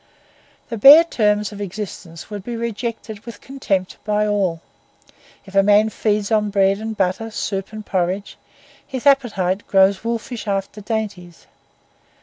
The bare terms of existence would be rejected with contempt by all. If a man feeds on bread and butter, soup and porridge, his appetite grows wolfish after dainties.